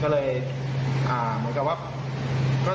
ก็เลยเหมือนกับว่า